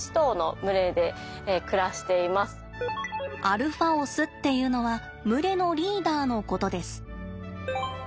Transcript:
アルファオスっていうのは群れのリーダーのことです。